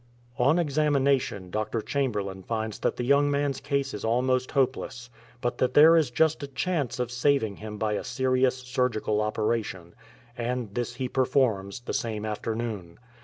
On examination Dr. Chamberlain finds that the young man's case is almost hopeless, but that there is just a chance of saving him by a serious surgical operation — and this he performs the same afternoon.